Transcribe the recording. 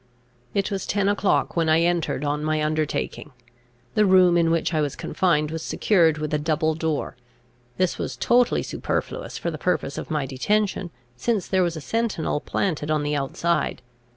It was ten o'clock when I entered on my undertaking. The room in which I was confined was secured with a double door. This was totally superfluous for the purpose of my detention, since there was a sentinel planted on the outside.